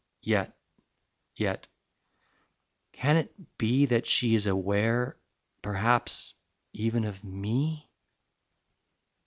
Yet ... yet ... can it be That she is aware, perhaps, even of me?